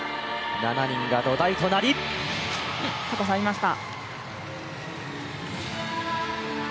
７人が土台となり高さありました。